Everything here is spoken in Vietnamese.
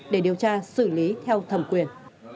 để điều tra xử lý theo thẩm quyền